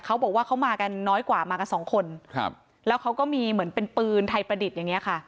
เขาบอกว่าเขามากันน้อยกว่ามากันสองคนครับแล้วเขาก็มีเหมือนเป็นปืนไทยประดิษฐ์อย่างเงี้ค่ะ